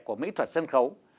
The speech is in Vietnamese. của mỹ thuật sân khấu